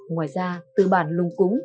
ngoài ra từ bản lùng cúng